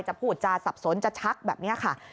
พูดจาสับสนจะชักแบบนี้ค่ะ